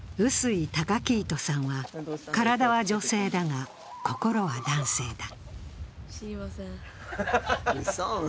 臼井崇来人さんは、体は女性だが心は男性だ。